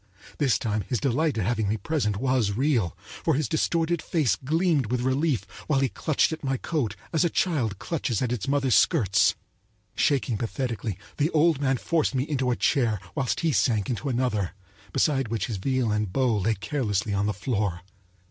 This time his delight at having me present was real; for his distorted face gleamed with relief while he clutched at my coat as a child clutches at its mother's skirts. Shaking pathetically, the old man forced me into a chair whilst he sank into another, beside which his viol and bow lay carelessly on the floor.